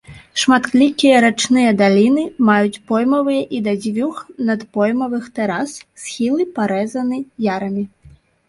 Шматлікія рачныя даліны маюць поймавыя і да дзвюх надпоймавых тэрас, схілы парэзаны ярамі.